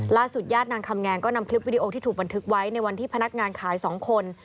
ล่าสุดญาตินางคำแงงก็นำคลิปวิดีโอที่ถูกบันทึกไว้ในวันที่พนักงานขาย๒คน